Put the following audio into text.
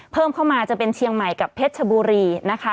เพิ่มเข้ามาจะเป็นเชียงใหม่กับเพชรชบุรีนะคะ